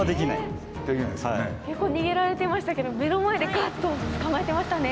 結構逃げられてましたけど目の前でガッと捕まえてましたね。